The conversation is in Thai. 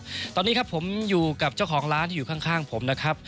ตอนนี้ครับผมอยู่กับเจ้าของร้านที่อยู่ข้างผมนะครับ